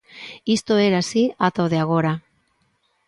Isto era así ata o de agora.